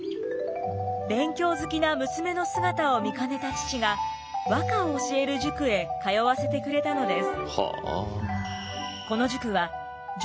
勉強好きな娘の姿を見かねた父が和歌を教える塾へ通わせてくれたのです。